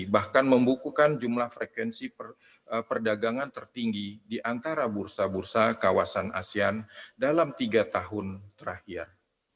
bahkan membukukan jumlah frekuensi perdagangan tertinggi di antara bursa bursa kawasan asean dalam tiga tahun terakhir